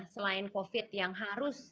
selain covid yang harus